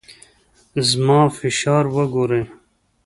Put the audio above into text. زما فشار وګورئ.